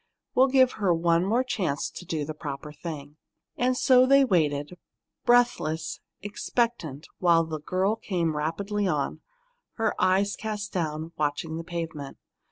We'll give her one more chance to do the proper thing." And so they waited, breathless, expectant, while the girl came rapidly on, her eyes cast down, watching the pavement.